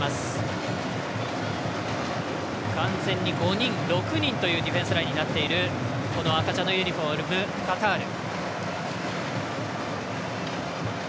完全に５人、６人というディフェンスラインになっている赤茶のユニフォーム、カタール。